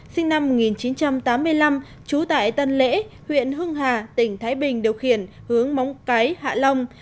sinh năm một nghìn chín trăm tám mươi năm trú tại tân lễ huyện hưng hà tỉnh thái bình điều khiển hướng móng cái hạ long